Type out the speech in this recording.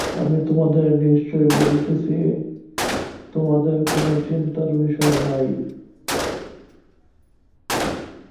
আমি তোমাদের নিশ্চয় বলিতেছি তোমাদের কোনো চিন্তার বিষয় নাই।